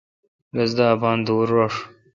رس دا اپان دور رݭ۔